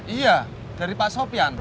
iya dari pak sopyan